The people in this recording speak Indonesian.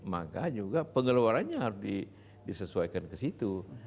maka juga pengeluarannya harus disesuaikan ke situ